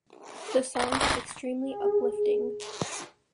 The song is extremely uplifting.